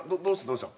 どうした？